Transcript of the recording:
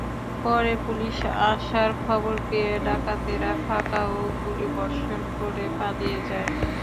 পরে পুলিশ আসার খবর পেয়ে ডাকাতেরা ফাঁকা গুলিবর্ষণ করে পালিয়ে যায়।